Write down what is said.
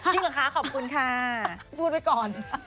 จริงเหรอคะขอบคุณค่ะพูดไว้ก่อน